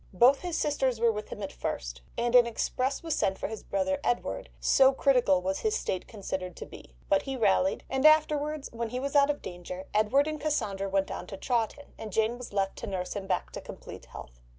Both his sisters were with him at first, and an express was sent for his brother Edward, so critical was his state considered to be, but he rallied, and afterwards, when he was out of danger, Edward and Cassandra went on to Chawton, and Jane was left to nurse him back to complete health.